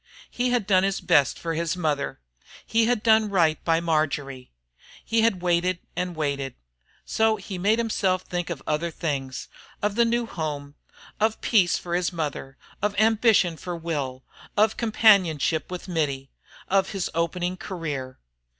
He had done his best for his mother; he had done right by Marjory; he had waited and waited. So he made himself think of other things, of the new home, of peace for his mother, of ambition for Will, of companionship with Mittie, of his opening career.